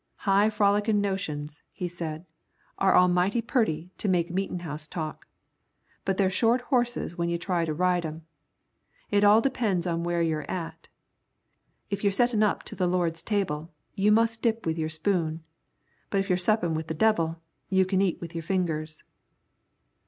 "High frollickin' notions," he said, "are all mighty purty to make meetin' house talk, but they're short horses when you try to ride 'em. It all depends on where you're at. If you're settin' up to the Lord's table, you must dip with your spoon, but if you're suppin' with the devil, you can eat with your fingers."